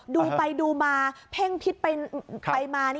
ดูไปดูมาเพ่งพิษไปมา